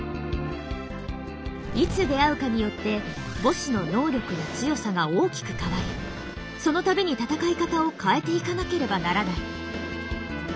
いつ出会うかによってボスの能力や強さが大きく変わりその度に戦い方を変えていかなければならない。